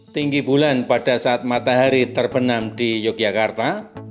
tinggi bulan pada saat matahari terbenam di yogyakarta